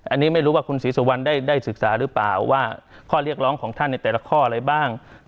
อันนี้ไม่รู้ว่าคุณศรีสุวรรณได้ศึกษาหรือเปล่าว่าข้อเรียกร้องของท่านในแต่ละข้ออะไรบ้าง